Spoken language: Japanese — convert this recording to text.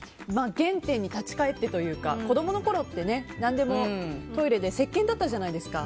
原点に立ち返ってというか子供のころって何でもトイレでせっけんだったじゃないですか。